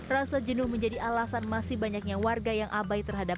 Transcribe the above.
rasa jenuh menjadi alasan masih banyaknya warga yang abai terhadap